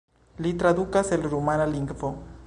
Li tradukas el rumana lingvo.